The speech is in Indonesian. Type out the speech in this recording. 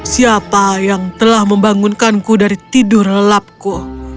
siapa yang telah membangunkanku dari tidur lelapku